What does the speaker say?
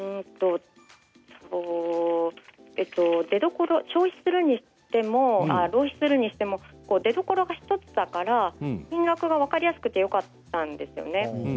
出どころ消費するにしても浪費するにしても出どころが１つだから、金額が分かりやすくてよかったんですよね。